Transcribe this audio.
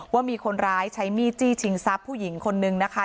ว่ามีคนร้ายใช้มีดจี้ชิงทรัพย์ผู้หญิงคนนึงนะคะ